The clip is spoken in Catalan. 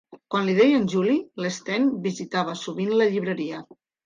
Quan li deien Juli, l'Sten visitava sovint la llibreria.